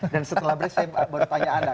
dan setelah break saya bertanya anda